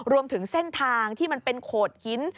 รวมถึงเส้นทางที่มันเป็นโขดหิน